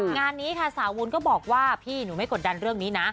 งานนี้ค่ะสาววุ้นก็บอกว่าพี่หนูไม่กดดันเรื่องนี้นะ